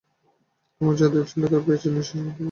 তোমারে যা দিয়েছিনু তার পেয়েছ নিঃশেষ অধিকার।